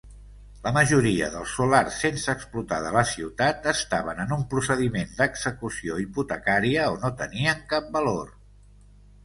La majoria dels solars sense explotar de la ciutat estaven en un procediment d'execució hipotecària o no tenien cap valor.